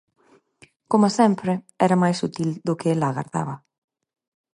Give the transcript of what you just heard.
Coma sempre, era máis sutil do que ela agardaba.